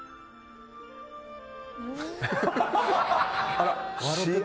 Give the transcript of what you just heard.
あら。